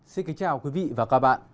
xin kính chào quý vị và các bạn